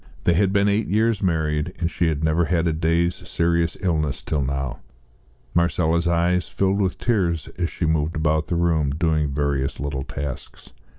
They had been eight years married, and she had never had a day's serious illness till now. Marcella's eyes filled with tears as she moved about the room, doing various little tasks.